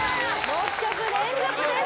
６曲連続です